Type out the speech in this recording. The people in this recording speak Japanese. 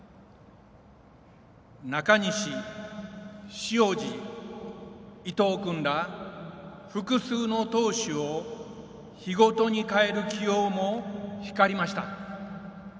中西、塩路、伊藤君ら複数の投手を日ごとに変える起用も光りました。